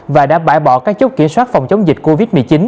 và đã bãi bỏ các chốt kiểm soát phòng chống dịch covid một mươi chín